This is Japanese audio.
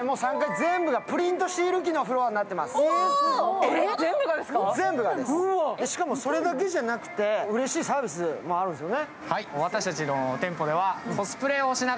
全部がです、しかもそれだけじゃなくてうれしいサービスもあるんですよね。